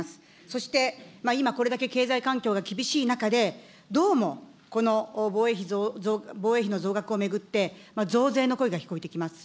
そして今、これだけ経済環境が厳しい中で、どうも、この防衛費の増額を巡って、増税の声が聞こえてきます。